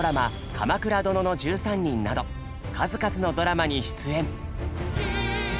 「鎌倉殿の１３人」など数々のドラマに出演。